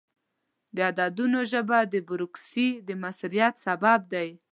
د عددونو ژبه د بروکراسي د موثریت سبب ده.